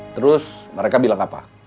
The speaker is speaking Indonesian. terus mereka bilang apa